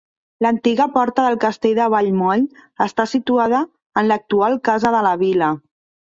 L'antiga porta del castell de Vallmoll està situada en l'actual Casa de la Vila.